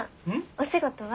お仕事は？